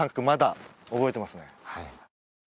まだ覚えてますね